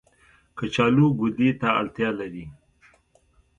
کچالو ګودې ته اړتيا لري